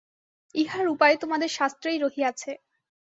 ইহার উপায় তোমাদের শাস্ত্রেই রহিয়াছে।